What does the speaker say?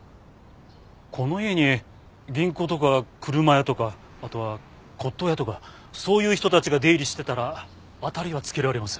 この家に銀行とか車屋とかあとは骨董屋とかそういう人たちが出入りしてたら当たりはつけられます。